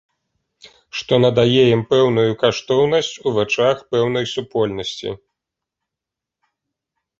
Што надае ім пэўную каштоўнасць у вачах пэўнай супольнасці.